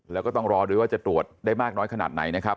แล้วก็ต้องรอดูว่าจะตรวจได้มากน้อยขนาดไหนนะครับ